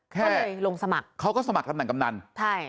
ก็เลยลงสมัครเขาก็สมัครตำแหนกำนันใช่